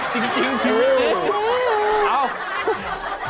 เฮ้เห้เหลำบากจริงจึงเลย